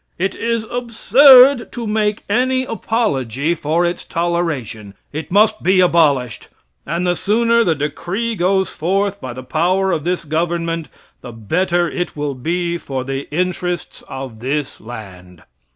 It is absurd to make any apology for its toleration. It must be abolished, and the sooner the decree goes forth by the power of this government, the better it will be for the interests of this land.